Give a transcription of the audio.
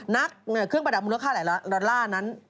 นักเครื่องประดับมูลค่าหลายดอลลาร์นั้น